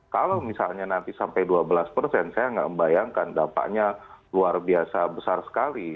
kalau misalnya nanti sampai dua belas persen saya nggak membayangkan dampaknya luar biasa besar sekali